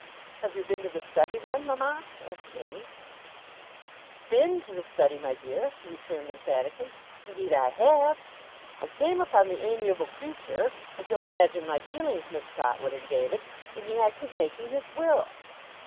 'Have you been to the Study, then, mama?' asked Annie. 'BEEN to the Study, my dear!' she returned emphatically. 'Indeed I have! I came upon the amiable creature if you'll imagine my feelings, Miss Trotwood and David in the act of making his will.